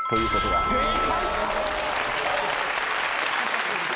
正解！